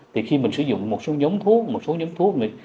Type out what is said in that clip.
thì khi mình sử dụng một số nhóm thuốc một số nhóm thuốc